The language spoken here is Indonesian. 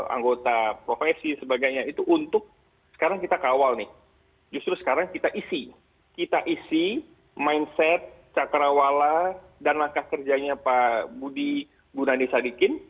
anggota profesi sebagainya itu untuk sekarang kita kawal nih justru sekarang kita isi kita isi mindset cakrawala dan langkah kerjanya pak budi gunadisadikin